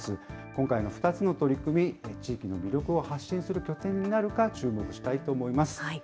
今回の２つの取り組み、地域の魅力を発信する拠点になるか、注目したいと思います。